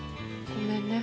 ごめんね。